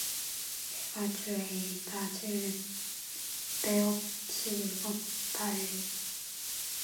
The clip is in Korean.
내가 주의 낯을 뵈옵지 못하리니